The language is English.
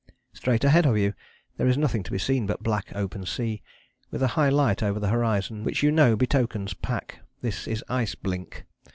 Straight ahead of you there is nothing to be seen but black open sea, with a high light over the horizon, which you know betokens pack; this is ice blink.